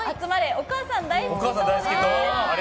お母さん大好き党です。